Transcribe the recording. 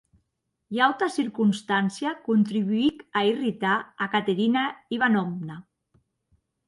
Ua auta circonstància contribuic a irritar a Caterina Ivanovna.